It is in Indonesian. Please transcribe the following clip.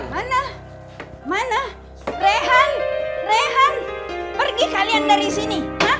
mana mana rehan rehan pergi kalian dari sini